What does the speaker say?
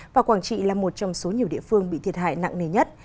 và quảng trị là một trong số nhiều địa phương bị thiệt hại nặng nề nhất